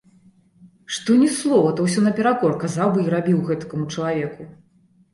Што ні слова, то ўсё наперакор казаў бы й рабіў гэтакаму чалавеку.